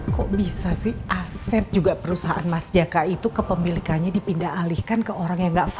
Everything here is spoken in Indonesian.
kok bisa sih aset juga perusahaan mas jaka itu kepemilikannya dipindah alihkan ke orang yang gak famil